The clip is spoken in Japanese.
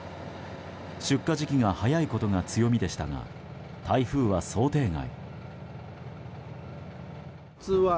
出荷時期が早いことが強みでしたが、台風は想定外。